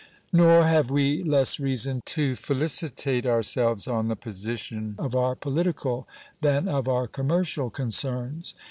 Nor have we less reason to felicitate ourselves on the position of our political than of our commercial concerns.